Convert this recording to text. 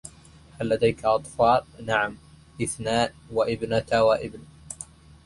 هل لديك أطفال؟ "نعم، اثنان، ابنة و إبن".